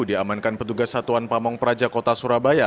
diamankan petugas satuan pamong prajakota surabaya